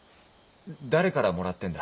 誰からもらってんだ？